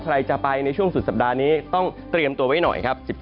ใครจะไปในช่วงสุดสัปดาห์นี้ต้องเตรียมตัวไว้หน่อยครับ